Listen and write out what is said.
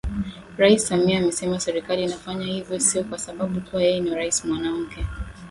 Rais Samia amesema Serikali inafanya hivyo sio kwasababu kuwa yeye ni Rais Mwanamke